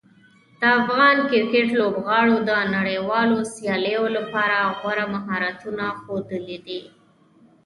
د افغان کرکټ لوبغاړو د نړیوالو سیالیو لپاره غوره مهارتونه ښودلي دي.